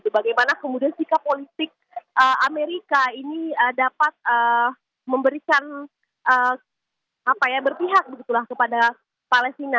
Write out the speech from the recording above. bagaimana kemudian sikap politik amerika ini dapat memberikan berpihak begitulah kepada palestina